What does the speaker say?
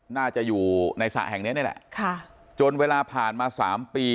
น่าจะอยู่ในสระแห่งนี้แหละจนเวลาผ่านมา๓ปี